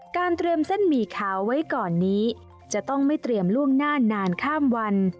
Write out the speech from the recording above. เตรียมเส้นหมี่ขาวไว้ก่อนนี้จะต้องไม่เตรียมล่วงหน้านานข้ามวัน